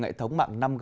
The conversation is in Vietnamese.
ngại thống mạng năm g